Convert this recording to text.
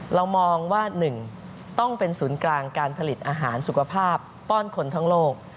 เรามองว่า๑ต้องเป็นศูนย์กลางการผลิตอาหารสุขภาพป้อนคนทั้งโลก